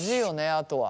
あとは。